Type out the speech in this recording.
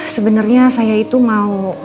sebenarnya saya itu mau